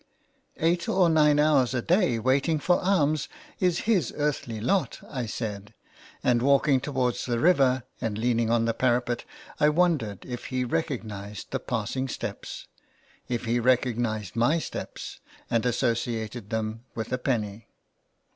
" Eight or nine hours a day waiting for alms is his earthly lot/' I said, and walking towards the river, and leaning on the parapet, I wondered if he re cognised the passing steps — if he recognised my steps — and associated them with a penny